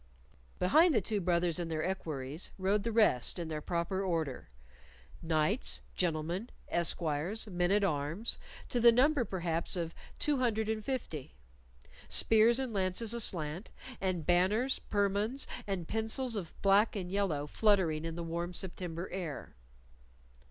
Behind the two brothers and their equerries rode the rest in their proper order knights, gentlemen, esquires, men at arms to the number, perhaps, of two hundred and fifty; spears and lances aslant, and banners, permons, and pencels of black and yellow fluttering in the warm September air.